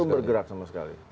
belum bergerak sama sekali